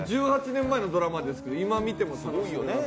１８年前のドラマですけど、今見てもすごいですよね。